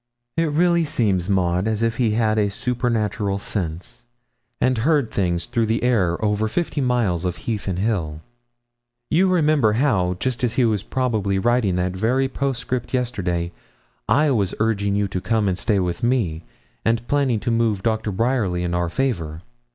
'It really seems, Maud, as if he had a supernatural sense, and heard things through the air over fifty miles of heath and hill. You remember how, just as he was probably writing that very postscript yesterday, I was urging you to come and stay with me, and planning to move Dr. Bryerly in our favour.